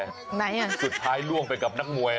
ไหนอ่ะสุดท้ายล่วงไปกับนักมวย